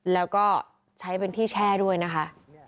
แล้วก็ใช้เป็นที่แช่ด้วยนะคะ